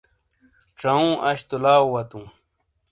ژاوہوں اش تو لاؤ واتو